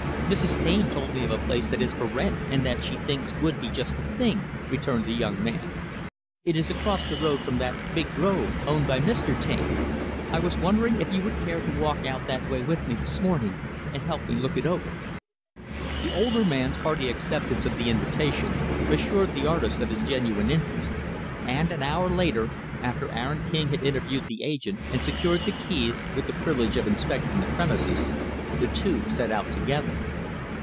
"Mrs. Taine told me of a place that is for rent, and that she thinks would be just the thing," returned the young man. "It is across the road from that big grove owned by Mr. Taine. I was wondering if you would care to walk out that way with me this morning and help me look it over." The older man's hearty acceptance of the invitation assured the artist of his genuine interest, and, an hour later after Aaron King had interviewed the agent and secured the keys, with the privilege of inspecting the premises the two set out together.